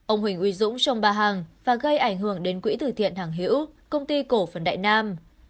ông huỳnh uy dũng trong bà hằng và gây ảnh hưởng đến quỹ tử thiện hàng hữu công ty cổ phần đại nam